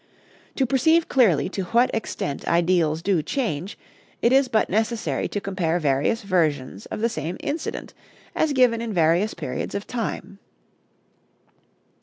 To perceive clearly to what extent ideals do change, it is but necessary to compare various versions of the same incident as given in various periods of time.